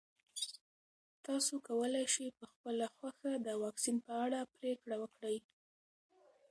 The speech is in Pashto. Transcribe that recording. تاسو کولی شئ په خپله خوښه د واکسین په اړه پرېکړه وکړئ.